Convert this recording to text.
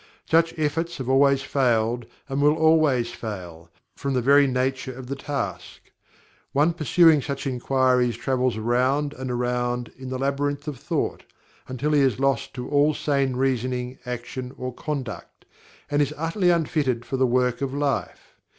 Such efforts have always failed and will always fail, from the very nature of the task. One pursuing such inquiries travels around and around in the labyrinth of thought, until he is lost to all sane reasoning, action or conduct, and is utterly unfitted for the work of life.